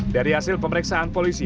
dari hasil pemeriksaan polisi